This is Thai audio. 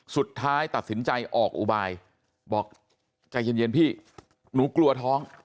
สุดท้ายตัดสินใจออกอุบายบอกใจเย็นพี่หนูกลัวท้อง